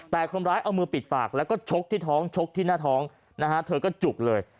แต่คนร้ายเอามือปิดปากแล้วก็ชกที่ท้องชกที่หน้าท้องนะฮะเธอก็จุกเลย